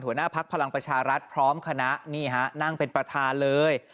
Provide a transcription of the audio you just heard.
พักพลังประชารัฐพร้อมคณะนี่ฮะนั่งเป็นประธานเลย